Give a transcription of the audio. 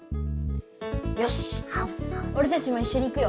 よしおれたちもいっしょに行くよ。